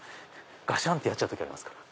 ガシャン！ってやっちゃう時ありますから。